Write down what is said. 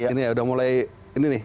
ini ya udah mulai ini nih